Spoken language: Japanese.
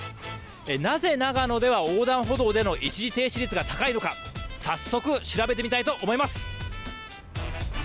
なぜ長野では横断歩道での一時停止率が高いのか、早速、調べてみたいと思います。